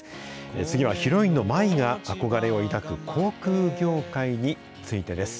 次はヒロインの舞が憧れを抱く航空業界についてです。